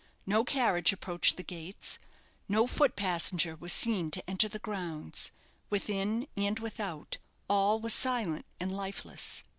No carriage approached the gates; no foot passenger was seen to enter the grounds. Within and without all was silent and lifeless.